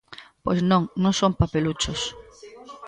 Pois non, non son papeluchos.